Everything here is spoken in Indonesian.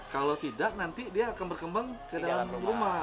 kalau tidak nanti dia akan berkembang ke dalam rumah